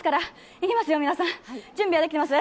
いきますよ、準備はできてます？